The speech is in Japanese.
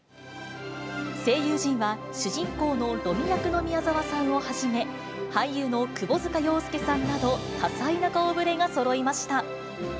声優陣は、主人公のロミ役の宮沢さんをはじめ、俳優の窪塚洋介さんなど、多彩な顔ぶれがそろいました。